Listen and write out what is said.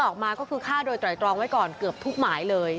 ออกมาก็คือฆ่าโดยไตรตรองไว้ก่อนเกือบทุกหมายเลย